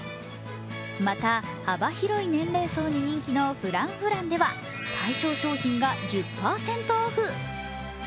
また幅広い年齢層に人気のＦｒａｎｃｆｒａｎｃでは対象商品が１０％オフ。